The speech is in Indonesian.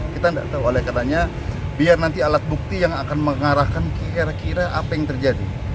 kita tidak tahu oleh karena biar nanti alat bukti yang akan mengarahkan kira kira apa yang terjadi